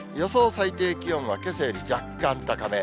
最低気温はけさより若干高め。